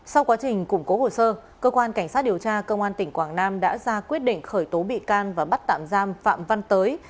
sau quá trình củng cố hồ sơ cơ quan cảnh sát điều tra công an tỉnh quảng nam đã ra quyết định khởi tố bị can và bắt tạm giam phạm văn tới